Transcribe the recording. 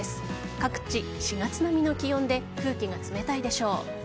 各地４月並みの気温で空気が冷たいでしょう。